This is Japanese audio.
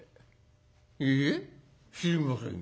「いいえ知りませんよ」。